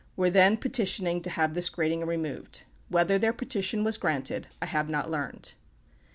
were then petitioning to have this grating removed. Whether their petition was granted, I have not learned.